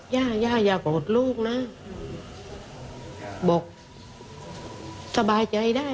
ย่าย่าอย่าโกรธลูกนะบอกสบายใจได้